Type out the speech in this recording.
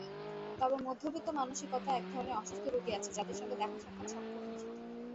তবে মধ্যবিত্ত মানসিকতায় একধরনের অসুস্থ রুগী আছে, যাদের সঙ্গে দেখা-সাক্ষাৎ সম্পূর্ণ নিষিদ্ধ।